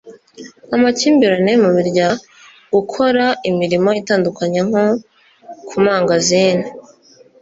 amakimbirane mu miryango bagahitamo kujya gukora imirimo itandukanye nko ku mangazini